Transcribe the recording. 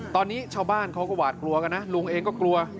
ตอนนี้ชาวบ้านเขาก็หวาดกลัวกันนะลุงเองก็กลัว